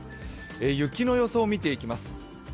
雪の予想を見ていきます。